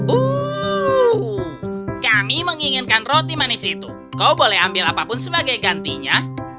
uh kami menginginkan roti manis itu kau boleh ambil apapun sebagai gantinya